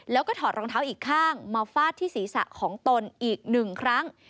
แล้วก็ถอดรองเท้าอีกข้างมาฟาดที่ศีรษะของตนอีกหนึ่งครั้ง